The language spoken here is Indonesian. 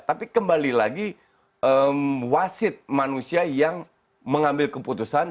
tapi kembali lagi wasit manusia yang mengambil keputusan